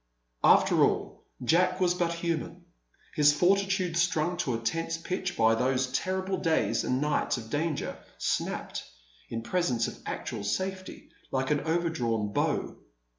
After all, Jack was but human. His fortitude, strung to a tense pitch by those terrible days and nights of danger, snapped, in presence of actual safety, like an overdrawn bow.